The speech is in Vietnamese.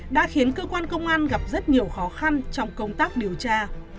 đã khiến cơ quan công an gặp rất nhiều khó khăn trong công tác điều tra